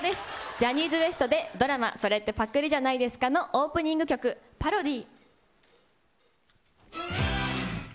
ジャニーズＷＥＳＴで、ドラマ、それってパクリじゃないですか？のオープニング曲、パロディ。